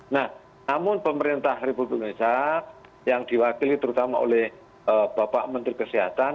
nah namun pemerintah republik indonesia yang diwakili terutama oleh bapak menteri kesehatan